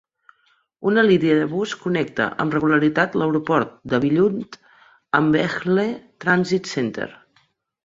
Una línia de bus connecta amb regularitat l'aeroport de Billund amb el Vejle Transit Centre.